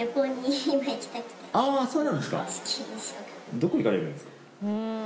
どこに行かれるんですか？